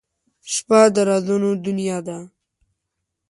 • شپه د رازونو دنیا ده.